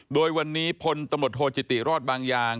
โดยวันนี้พลตำรวจโทจิติรอดบางยาง